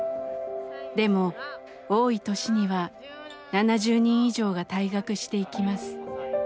でも多い年には７０人以上が退学していきます。